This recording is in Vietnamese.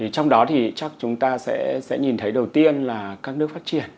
trong đó thì chắc chúng ta sẽ nhìn thấy đầu tiên là các nước phát triển